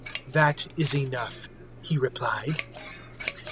"That is enough," He replied.